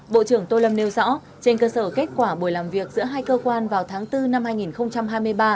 bộ trưởng tô lâm nêu rõ trên cơ sở kết quả buổi làm việc giữa hai cơ quan vào tháng bốn năm hai nghìn hai mươi ba